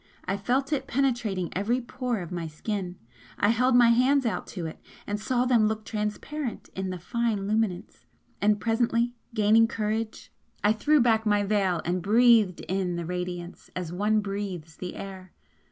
I felt it penetrating every pore of my skin I held my hands out to it, and saw them look transparent in the fine luminance, and presently, gaining courage, I threw back my veil and breathed in the radiance, as one breathes the air!